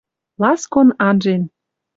Ласкон анжен